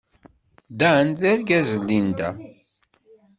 Dan d argaz n Linda.